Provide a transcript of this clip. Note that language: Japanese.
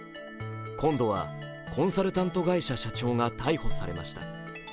今度はコンサルタント会社社長が逮捕されました。